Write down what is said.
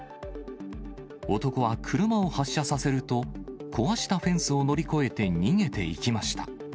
男は車を発車させると、壊したフェンスを乗り越えて逃げていきました。